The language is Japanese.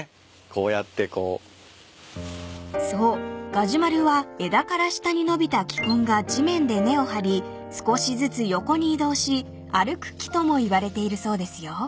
ガジュマルは枝から下に伸びた気根が地面で根を張り少しずつ横に移動し歩く木ともいわれているそうですよ］